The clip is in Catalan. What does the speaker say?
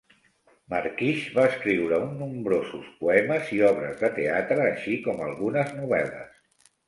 Markish va escriure un nombrosos poemes i obres de teatre, així com algunes novel·les.